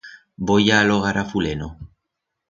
Voi a alogar a fuleno.